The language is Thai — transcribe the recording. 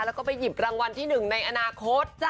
แล้วก็ไปหยิบรางวัลที่๑ในอนาคต